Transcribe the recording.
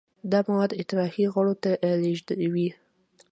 دا مواد اطراحي غړو ته لیږدوي.